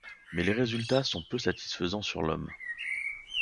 Mais les résultats sont peu satisfaisants sur l’homme.